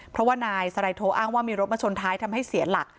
เพราะว่านายสไลโทอ้างว่ามีรถมาชนท้ายทำให้เสียหลัก